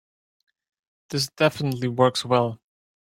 This definitely works well.